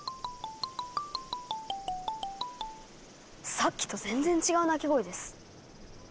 さっきと全然違う鳴き声です。